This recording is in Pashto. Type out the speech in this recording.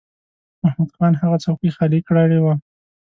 محمود خان هغه څوکۍ خالی کړې وه.